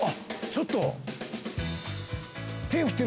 ちょっと。